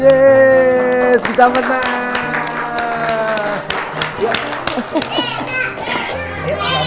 yes kita menang